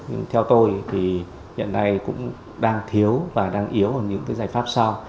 nhưng theo tôi thì hiện nay cũng đang thiếu và đang yếu những giải pháp sau